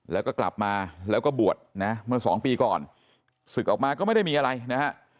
แล้วก็กลับมาแล้วก็บวชนะเมื่อสองปีก่อนศึกออกมาก็ไม่ได้มีอะไรนะฮะ